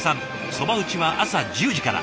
そば打ちは朝１０時から。